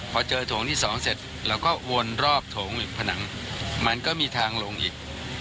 พอเจอโถงที่สองเสร็จเราก็วนรอบโถงอีกผนังมันก็มีทางลงอีก